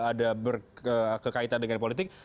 ada berkekaitan dengan politik